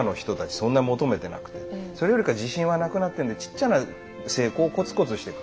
そんなに求めてなくてそれよりか自信はなくなってるんでちっちゃな成功をコツコツしてく。